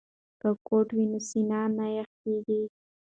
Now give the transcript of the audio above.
که کوټ وي نو سینه نه یخیږي.